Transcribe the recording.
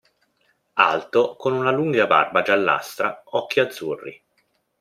Alto, con una lunga barba giallastra, occhi azzurri.